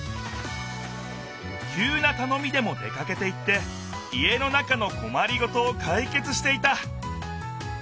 きゅうなたのみでも出かけていって家の中のこまりごとをかいけつしていた。